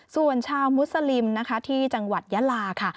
ส่วนชาวมุสลิมนะคะที่จังหวัดยาลาค่ะ